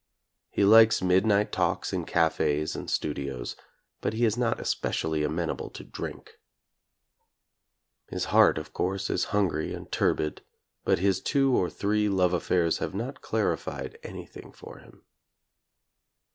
He likes mid night talks in cafes and studios, but he is not es pecially amenable to drink. His heart of course is hungry and turbid, but his two or three love affairs have not clarified anything for him.